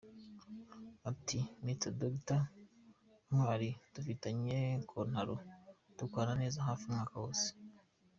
Ati “ Mr D twari dufitanye kontaro, dukorana neza hafi umwaka wose.